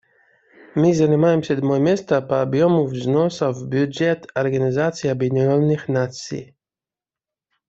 Мы занимаем седьмое место по объему взносов в бюджет Организации Объединенных Наций.